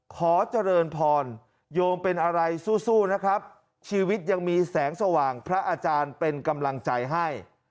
ขอเจริญพรโยมเป็นอะไรสู้นะครับชีวิตยังมีแสงสว่างพระอาจารย์เป็นกำลังใจให้